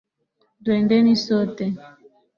Twendeni sote.